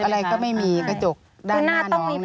กระจกอะไรก็ไม่มีกระจกด้านหน้าน้องนี่